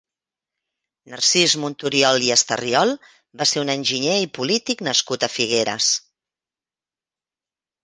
Narcís Monturiol i Estarriol va ser un enginyer i polític nascut a Figueres.